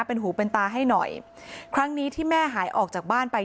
เป็นหูเป็นตาให้หน่อยครั้งนี้ที่แม่หายออกจากบ้านไป